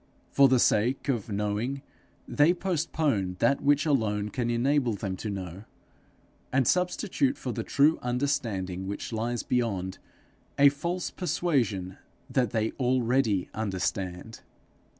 For the sake of knowing, they postpone that which alone can enable them to know, and substitute for the true understanding which lies beyond, a false persuasion that they already understand.